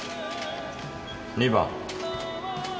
２番。